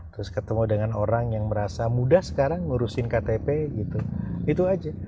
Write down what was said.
terus ketemu dengan orang yang merasa mudah sekarang ngurusin ktp gitu itu aja